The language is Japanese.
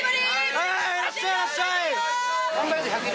いらっしゃいいらっしゃい！